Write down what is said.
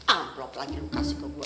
amplop lagi kasih ke gue